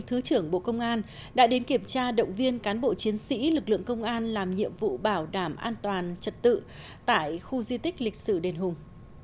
thứ trưởng bộ công an đã đến kiểm tra động viên cán bộ chiến sĩ lực lượng công an làm nhiệm vụ bảo đảm an toàn trật tự tại khu di tích lịch sử đền hùng